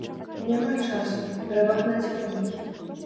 Няма часу, трэба гнаць коней.